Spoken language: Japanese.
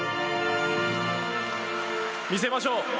見せましょう！